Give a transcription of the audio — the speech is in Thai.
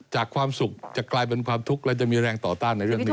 จากความสุขจะกลายเป็นความทุกข์และจะมีแรงต่อต้านในเรื่องนี้